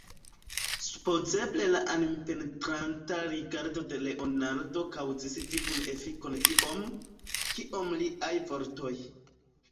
Supozeble la animpenetranta rigardo de Leonardo kaŭzis tiun efikon tiom, kiom liaj vortoj.